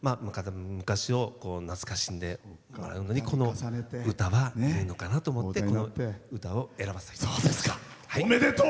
昔を懐かしんでもらうのにこの歌はいいのかなと思ってこの歌を選ばせていただきました。